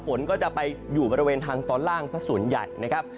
ฝนก็จะไปอยู่บริเวณทางตอนล่างสักส่วนใหญ่นะครับ